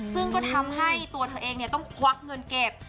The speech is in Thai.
ซึ่งก็ทำให้ตัวเธอเองต้องควักเงินเก็บ